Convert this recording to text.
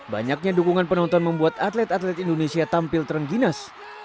banyaknya dukungan penonton membuat atlet atlet indonesia tampil terengginas